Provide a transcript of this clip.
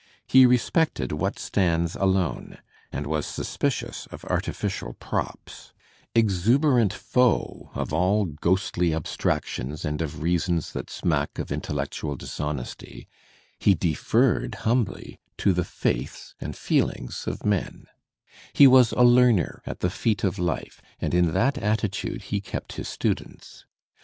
He respected what stands alone, and was suspicious of artificial props. Exuberant foe of all ghostly abstractions and of reasons that smack of intellectual Digitized by Google 302 THE SPIRIT OF AMERICAN LITERATURE dishonesty, he deferred humbly to the faiths and feelings of men. He was a learner at the feet of life and in that attitude he kept his students.